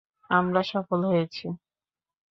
আমরা সফল হয়েছি।